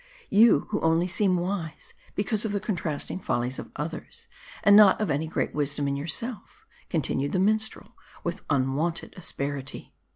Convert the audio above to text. " You, who only seem wise, because of the contrasting follies o others, and not of any great wisdom in yourself," continued the minstrel, with unwonted asperity.